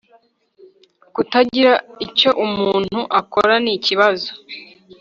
kutagira icyo umuntu akora. nikibazo